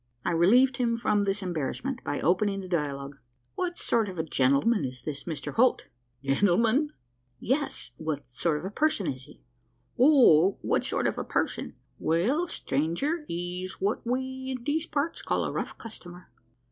I relieved him from this embarrassment, by opening the dialogue: "What sort of a gentleman is this Mr Holt?" "Gentleman!" "Yes what sort of person is he?" "Oh, what sort o' person. Well, stranger, he's what we, in these parts, call a rough customer."